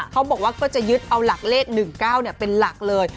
เขาบอกว่าก็จะยึดเอาหลักเลข๑๙เป็นหลักเลย